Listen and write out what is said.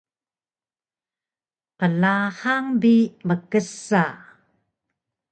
qlahang bi mksa